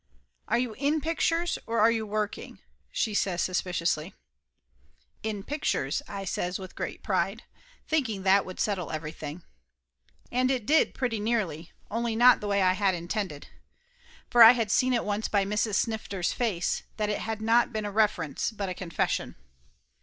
"Are you in pictures or are you working?" she says suspiciously. "In pictures," I says with great pride, thinking that would settle everything. And it did, pretty nearly, only not the way I had intended. For I seen at once by Mrs. Snifter's face that it had not been a refer ence but a confession.